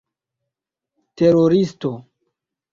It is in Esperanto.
teroristo